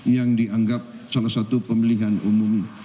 yang dianggap salah satu pemilihan umum